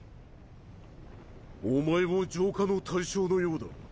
お前も浄化の対象のようだ。